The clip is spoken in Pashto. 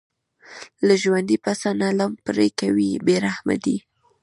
له ژوندي پسه نه لم پرې کوي بې رحمه دي.